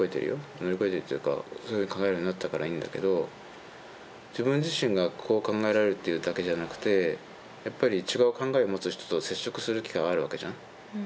乗り越えるっていうかそういうふうに考えられるようになったからいいんだけど自分自身がこう考えられるっていうだけじゃなくてやっぱり違う考えを持つ人と接触する機会はあるわけじゃん。